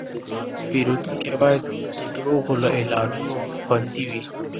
پیرودونکی باید د دروغو له اعلانونو خوندي وي.